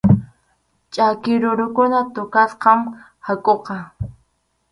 Ch’aki rurukuna kutasqam hakʼuqa.